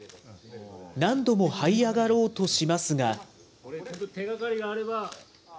何度もはい上がろうとしますが。